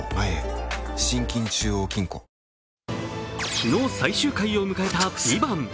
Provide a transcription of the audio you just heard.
昨日、最終回を迎えた「ＶＩＶＡＮＴ」。